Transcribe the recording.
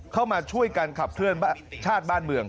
เข้ามาช่วยกันขับเคลื่อนชาติบ้านเมือง